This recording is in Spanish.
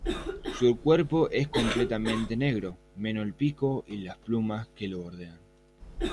Su cuerpo es completamente negro, menos el pico y las plumas que lo bordean.